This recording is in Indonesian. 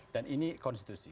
dan ini konstitusi